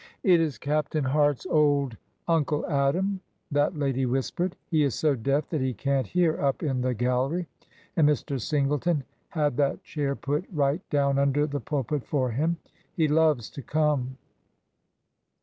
It is Captain Hart's old Uncle Adam," that lady whis« pered. He is so deaf that he can't hear up in the gal lery, and Mr. Singleton had that chair put right down under the pulpit for him. He loves to come."